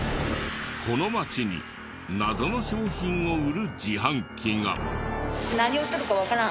この町に謎の商品を売る自販機が。